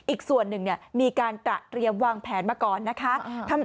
อีกส่วนหนึ่งมีการตระเตรียมวางแผนมาก่อนนะคะ